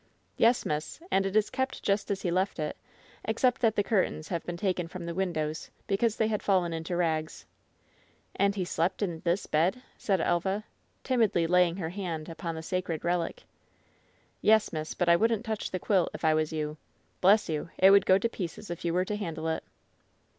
"Yes, miss, and it is kept just as he left it, except that the curtains have been taken from the windows, because they had fallen into rags." "And he slept in this bed ?" said Elva, timidly laying her hand upon the sacred relic. "Yes, miss, but I wouldn't touch the quilt, if I was^ you. Bless you, it would go to pieces if you were ta handle it!"